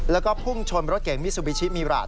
และก็พุ่งชนรถเก๋งมิสุบิชิมีราศ